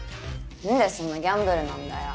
何でそんなギャンブルなんだよ。